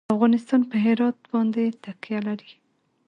افغانستان په هرات باندې تکیه لري.